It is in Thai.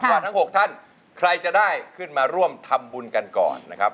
ว่าทั้ง๖ท่านใครจะได้ขึ้นมาร่วมทำบุญกันก่อนนะครับ